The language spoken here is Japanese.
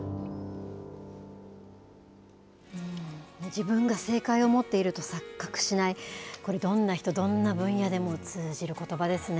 自分が正解を持っていると錯覚しない、これ、どんな人、どんな分野でも通じることばですね。